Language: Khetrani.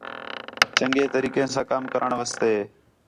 چَنڳے طریقے ساں کَم کرݨ واسطے